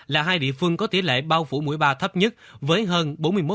là hai địa phương có tỷ lệ bao phủ mũi ba thấp nhất với hơn bốn mươi một